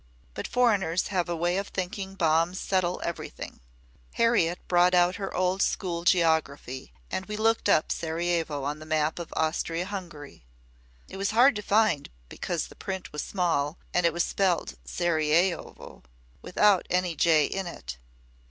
But foreigners have a way of thinking bombs settle everything. Harriet brought out her old school geography and we looked up Sarajevo on the map of Austria Hungary. It was hard to find because the print was small and it was spelt Saraievo without any j in it.